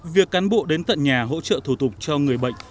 việc cán bộ đến tận nhà hỗ trợ thủ tục cho người bệnh